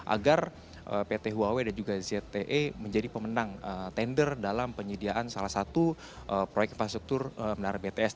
agar pt huawei dan juga zte menjadi pemenang tender dalam penyediaan salah satu proyek infrastruktur menara bts